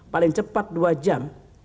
paling cepat dua jam